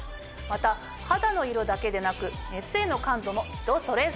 また肌の色だけでなく熱への感度も人それぞれ。